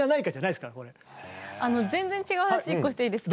全然違う話一個していいですか。